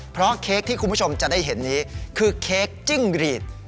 เพราะเค้กที่คุณผู้ชมจะได้เห็นนี้คือเค้กจิ้งรีด